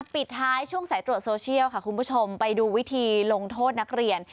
ปิดท้ายช่วงสายตรวจโซเชียลค่ะคุณผู้ชมไปดูวิธีลงโทษนักเรียน